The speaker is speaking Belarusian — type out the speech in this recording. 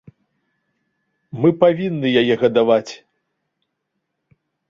Мы павінны яе гадаваць.